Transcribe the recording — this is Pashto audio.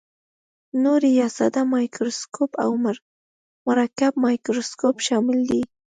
نوري یا ساده مایکروسکوپ او مرکب مایکروسکوپ شامل دي.